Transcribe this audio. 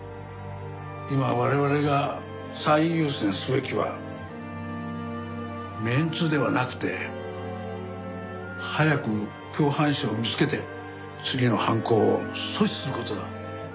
今我々が最優先すべきはメンツではなくて早く共犯者を見つけて次の犯行を阻止する事だ。